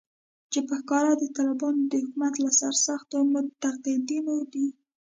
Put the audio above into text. چې په ښکاره د طالبانو د حکومت له سرسختو منتقدینو دی